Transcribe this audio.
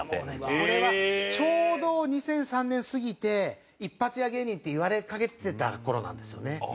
これはちょうど２００３年過ぎて一発屋芸人って言われかけてた頃なんですよね。